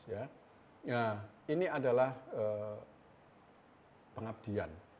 nah ini adalah pengabdian